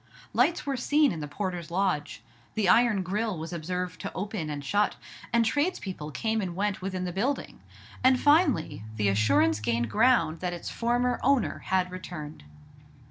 Lights were seen in the porter's lodge, the iron grille was observed to open and shut, and tradespeople came and went within the building; and, finally, the assurance gained ground that its former owner had returned.